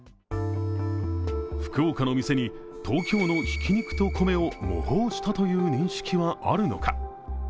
福岡の店に東京の挽肉と米と模倣したという認識はあるのか。